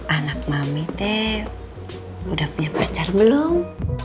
anak mami teh udah punya pacar belum